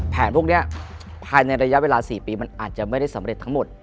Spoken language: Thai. พวกนี้ภายในระยะเวลา๔ปีมันอาจจะไม่ได้สำเร็จทั้งหมด